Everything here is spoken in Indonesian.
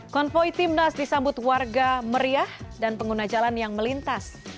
konvoy timnas disambut warga meriah dan pengguna jalan yang melintas